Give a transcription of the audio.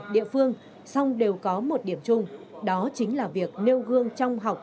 địa phương song đều có một điểm chung đó chính là việc nêu gương trong học